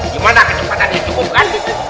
gimana kecepatannya cukup kan